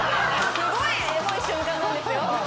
すごいエモい瞬間なんですよ。